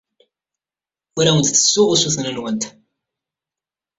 Ur awent-d-ttessuɣ usuten-nwent.